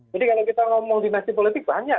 jadi kalau kita ngomong dinasti politik banyak